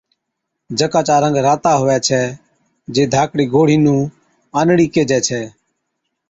جڪا چا رنگ راتا هُوَي ڇَي، جي ڌاڪڙِي گوڙهِي نُون آنڙِي ڪيهجَي ڇَي۔